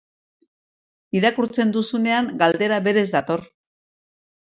Irakurtzen duzunean, galdera berez dator.